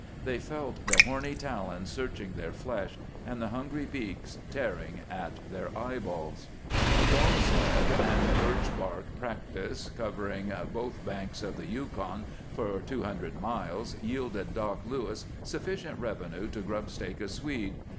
They felt the horny talons searching their flesh and the hungry beaks tearing at their eyeballs. A dog sled and birch bark practice covering both banks of the Yukon for two hundred miles yielded Doc Lewis sufficient revenue to grub stake a Swede.